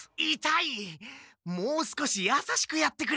もう少しやさしくやってくれ！